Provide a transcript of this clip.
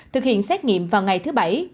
thực hiện xét nghiệm vào ngày thứ bảy